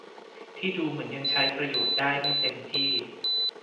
ที่ดูเหมือนยังใช้ประโยชน์ได้ไม่เต็มที่